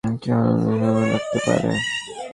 পুরো কাজ শেষ করতে তিন থেকে চার ঘণ্টা সময় লাগতে পারে।